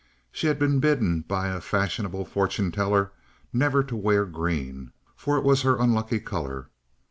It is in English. She had been bidden by a fashionable fortune teller never to wear green, for it was her unlucky colour.